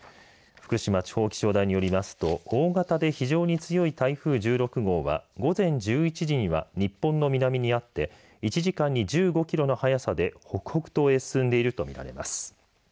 福島地方気象台によりますと大型で非常に強い台風１６号は午前１１時には日本の南にあって１時間に１５キロの速さで北北東へ進んでいるとみられます。